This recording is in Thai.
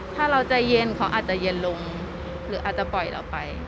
ถ้าเราใจเย็นเขาอาจจะเย็นลงหรืออาจจะปล่อยเราไป